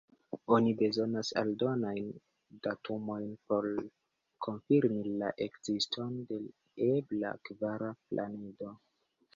Oni bezonas aldonajn datumojn por konfirmi la ekziston de ebla kvara planedo.